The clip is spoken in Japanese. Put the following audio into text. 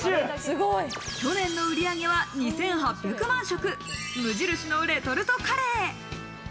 去年の売り上げは２８００万食、無印のレトルトカレー。